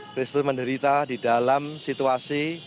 kristu menderita di dalam situasi